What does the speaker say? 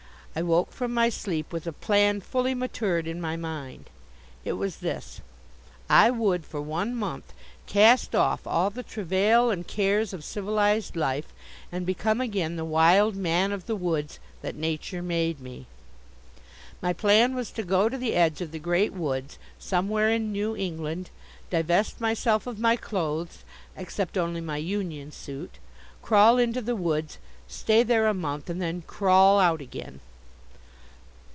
I woke from my sleep with a plan fully matured in my mind. It was this: I would, for one month, cast off all the travail and cares of civilized life and become again the wild man of the woods that Nature made me. M woods, somewhere in New England, divest myself of my clothes except only my union suit crawl into the woods, stay there a month and then crawl out again.